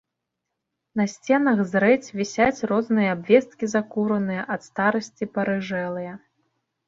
На сценах зрэдзь вісяць розныя абвесткі закураныя, ад старасці парыжэлыя.